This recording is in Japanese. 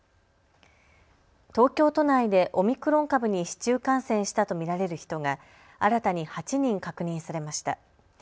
東京都内でオミクロン株に市中感染したと見られる人が新たに８人確認されました。